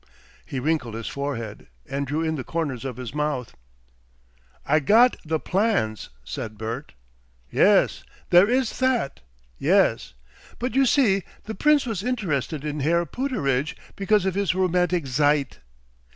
He wrinkled his forehead, and drew in the corners of his mouth. "I got the plans," said Bert. "Yes. There is that! Yes. But you see the Prince was interested in Herr Pooterage because of his romantic seit.